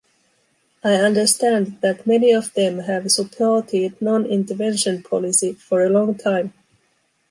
I understand that many of them have supported non-intervention policy for a long time.